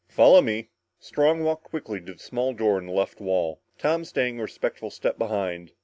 Follow me." Strong walked quickly to the small door in the left wall, Tom staying a respectful step behind.